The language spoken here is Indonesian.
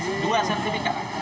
beda dua sertifikat